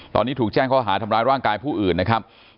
ตอนนี้ถูกแจ้งข้อหาทำร้ายร่างกายผู้อื่นนะครับ